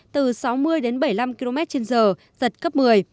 từ sáu mươi đến bảy mươi năm km trên giờ giật cấp một mươi